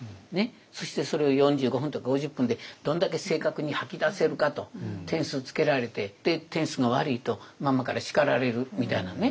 そしてそれを４５分とか５０分でどんだけ正確に吐き出せるかと点数つけられてで点数が悪いとママから叱られるみたいなね。